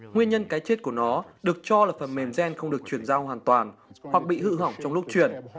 nguyên nhân cái chết của nó được cho là phần mềm gen không được truyền giao hoàn toàn hoặc bị hữu hỏng trong lúc truyền